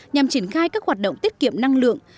nhằm triển khai các hoạt động tiết kiệm năng lượng